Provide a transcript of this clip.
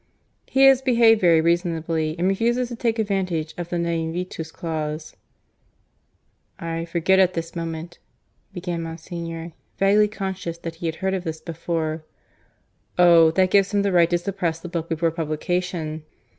"He has behaved very reasonably, and refuses to take advantage of the Ne invitus clause." "I forget at this moment," began Monsignor, vaguely conscious that he had heard of this before. "Oh! that gives him the right to suppress the book before publication.